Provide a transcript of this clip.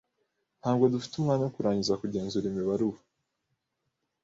Ntabwo dufite umwanya wo kurangiza kugenzura imibare ubu,